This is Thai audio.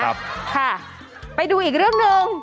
ค่ะไปดูอีกเรื่องหนึ่ง